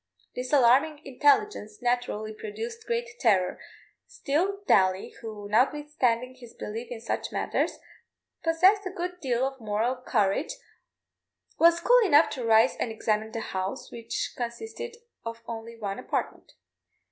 This alarming intelligence naturally produced great terror; still, Daly, who, notwithstanding his belief in such matters, possessed a good deal of moral courage, was cool enough to rise and examine the house, which consisted of only one apartment.